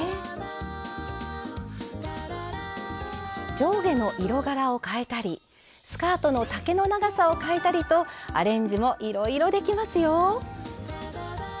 上下の色柄を変えたりスカートの丈の長さを変えたりとアレンジもいろいろできますよ。